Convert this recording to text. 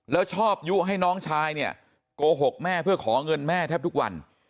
แล้วชอบยุให้น้องชายเนี่ยโกหกแม่เพื่อขอเงินแม่แทบทุกวัน